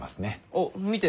あっ見て！